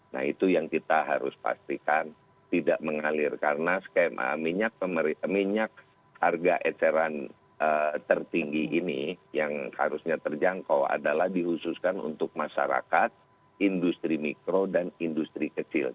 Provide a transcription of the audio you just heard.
nah itu yang kita harus pastikan tidak mengalir karena skema minyak harga eceran tertinggi ini yang harusnya terjangkau adalah dihususkan untuk masyarakat industri mikro dan industri kecil